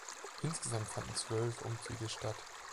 Insgesamt fanden zwölf Umzüge statt.